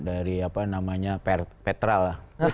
dari apa namanya petral lah